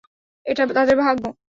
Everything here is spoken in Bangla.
এটা তাদের ভাগ্য।